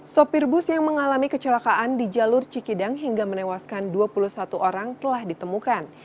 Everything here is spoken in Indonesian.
sopir bus yang mengalami kecelakaan di jalur cikidang hingga menewaskan dua puluh satu orang telah ditemukan